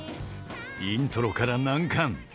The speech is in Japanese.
［イントロから難関。